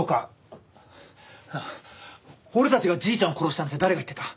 なあ俺たちがじいちゃんを殺したなんて誰が言ってた？